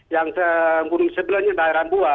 yang gunung sebelahnya daerah buah